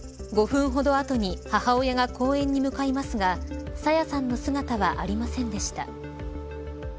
５分ほど後に母親が公園に向かいますが朝芽さんの姿はありませんでした。